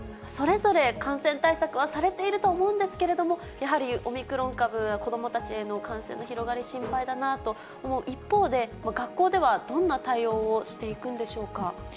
それぞれ感染対策はされていると思うんですけれども、やはりオミクロン株、子どもたちへの感染の広がり、心配だなと思う一方で、学校ではどんな対応をしていくんでしょうか。